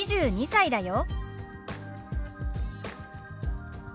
２２歳だよ。